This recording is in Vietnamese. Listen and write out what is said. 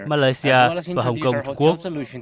asia và hồng kông trung quốc